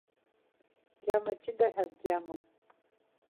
Гьама ҷыда ҳәа акгьы амам.